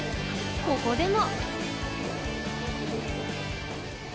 ここでも。